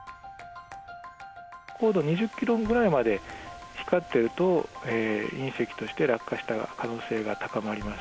高度２０キロぐらいまで光ってると、隕石として落下した可能性が高まります。